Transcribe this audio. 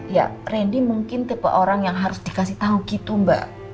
ya randy mungkin tipe orang yang harus dikasih tahu gitu mbak